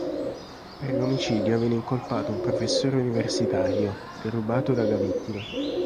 Per l'omicidio viene incolpato un professore universitario, derubato dalla vittima.